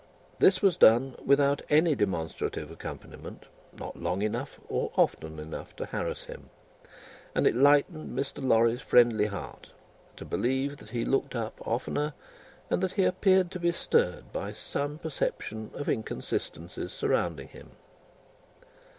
This was done without any demonstrative accompaniment, not long enough, or often enough to harass him; and it lightened Mr. Lorry's friendly heart to believe that he looked up oftener, and that he appeared to be stirred by some perception of inconsistencies surrounding him.